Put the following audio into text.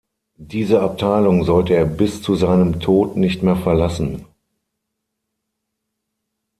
Diese Abteilung sollte er bis zu seinem Tod nicht mehr verlassen.